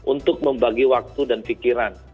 untuk membagi waktu dan pikiran